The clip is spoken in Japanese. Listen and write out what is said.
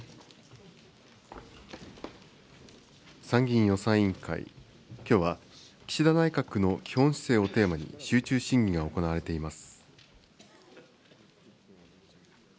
参議院予算委員会、きょうは岸田内閣の基本姿勢をテーマに集中審議が行われています。